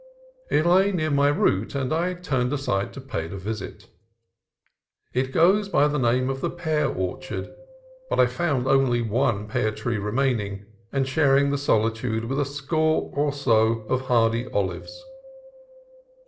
It lay near my route, and I turned aside to pay it a visit. It goes by the name of the "Pear Orchard," but I found only one pear tree remaining, and sharing the solitude with a score or so of hardy olives.